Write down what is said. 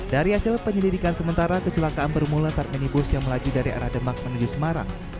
dari hasil penyelidikan sementara kecelakaan bermula saat minibus yang melaju dari arah demak menuju semarang